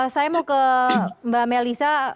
saya mau ke mbak melisa